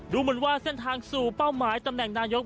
ดูเหมือนว่าเส้นทางสู่เป้าหมายตำแหน่งนายก